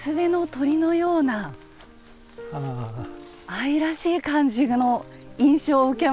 愛らしい感じの印象を受けます。